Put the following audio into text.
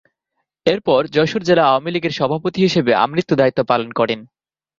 এর পর যশোর জেলা আওয়ামী লীগের সভাপতি হিসেবে আমৃত্যু দায়িত্ব পালন করেন।